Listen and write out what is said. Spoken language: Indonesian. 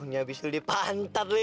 punya abis habis dia pantat lo ya